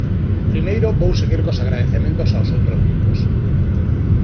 Primeiro, vou seguir cos agradecementos aos outros grupos.